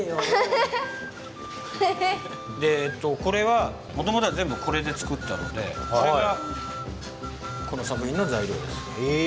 これはもともとは全部これでつくったのでこれがこの作品の材料です。